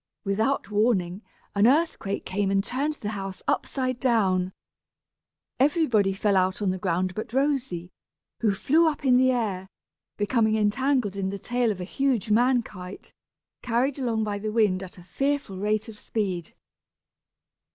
Without warning, an earthquake came and turned the house upside down. Everybody fell out on the ground but Rosy, who flew up in the air, becoming entangled in the tail of a huge man kite, carried along by the wind at a fearful rate of speed.